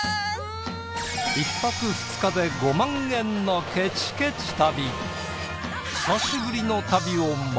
１泊２日で５万円のケチケチ旅。